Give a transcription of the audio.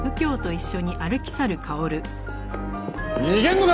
逃げんのか？